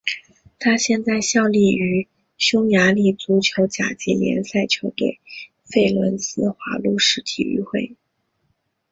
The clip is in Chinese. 他现在效力于匈牙利足球甲级联赛球队费伦斯华路士体育会。